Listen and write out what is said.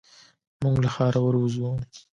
موږ له ښاره ور وځو.